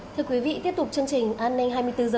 thưa quý vị tiếp tục chương trình an ninh hai mươi bốn h